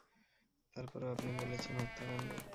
তার পরেও আপনি বলছেন হত্যাকাণ্ড?